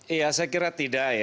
iya saya kira tidak ya